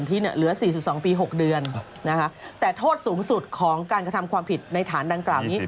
คุณสมทีเหลือ๔๒ปี๖เดือนแต่โทษสูงสุดของการกระทำความผิดในฐานดังกล่าว